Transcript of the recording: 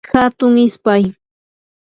hatun ispay